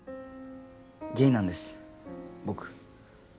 ゲイなんです僕。